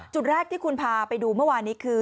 จุดแรกที่คุณพาไปดูเมื่อวานนี้คือ